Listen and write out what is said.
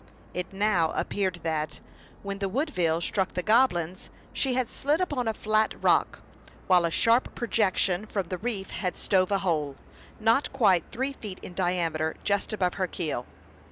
It now appeared that, when the Woodville struck the Goblins, she had slid up on a flat rock, while a sharp projection from the reef had stove a hole, not quite three feet in diam eter, just above her keel.